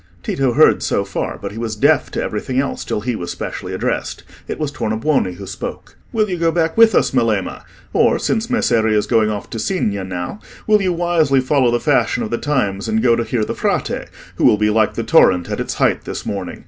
Tito heard so far, but he was deaf to everything else till he was specially addressed. It was Tornabuoni who spoke. "Will you go back with us, Melema? Or, since Messere is going off to Signa now, will you wisely follow the fashion of the times and go to hear the Frate, who will be like the torrent at its height this morning?